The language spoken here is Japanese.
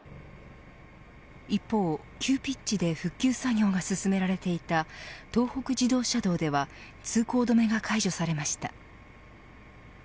一方、急ピッチで復旧作業が進められていた東北自動車道では通行止めが解除されました。